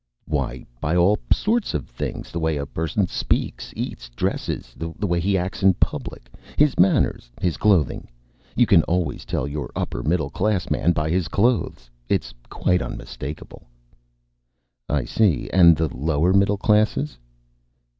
"Why, by all sorts of things. The way a person speaks, eats, dresses, the way he acts in public. His manners. His clothing. You can always tell your upper middle class man by his clothes. It's quite unmistakable." "I see. And the lower middle classes?"